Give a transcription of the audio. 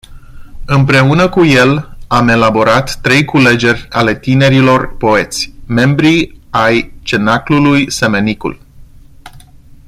Împreună cu el am elaborat trei culegeri ale tinerilor poeți, membrii ai Cenaclului Semenicul.